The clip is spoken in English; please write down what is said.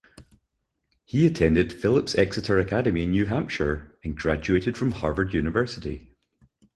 He attended Phillips Exeter Academy in New Hampshire, and graduated from Harvard University.